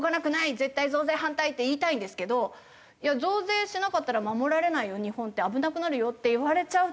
「絶対増税反対！」って言いたいんですけど「いや増税しなかったら守られないよ日本」って「危なくなるよ」って言われちゃうと。